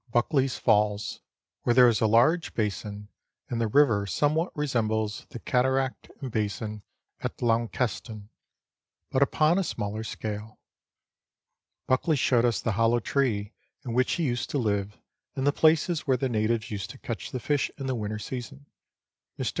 293 Buckley's Falls, where there is a large basin, and the river some what resembles the cataract and basiu at Launceston, but upon a Smaller scale. Buckley showed us the hollow tree in which he used to live and the places where the natives used to catch the fish in the winter season. Mr.